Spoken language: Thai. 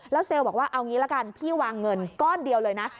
เซลล์บอกว่าเอางี้ละกันพี่วางเงินก้อนเดียวเลยนะ